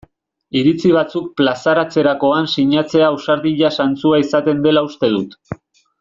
Iritzi batzuk plazaratzerakoan sinatzea ausardia zantzua izaten dela uste dut.